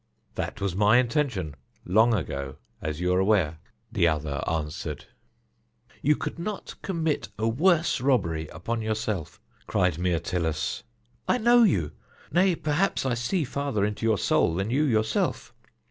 "That was my intention long ago, as you are aware," the other answered. "You could not commit a worse robbery upon yourself," cried Myrtilus. "I know you; nay, perhaps I see farther into your soul than you yourself.